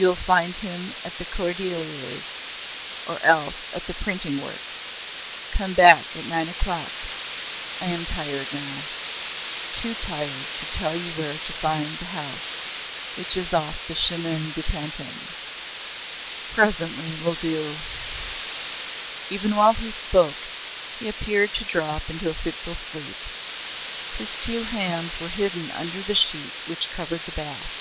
You will find him at the 'Cordeliers,' or else at the printing works.... Come back at nine o'clock.... I am tired now ... too tired to tell you where to find the house which is off the Chemin de Pantin. Presently will do...." Even while he spoke he appeared to drop into a fitful sleep. His two hands were hidden under the sheet which covered the bath.